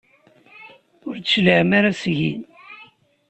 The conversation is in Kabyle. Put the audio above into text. Ur d-tecliɛem ara seg-i?